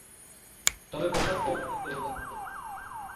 তবে পোশাক পৌরাণিক দেবতার মতো।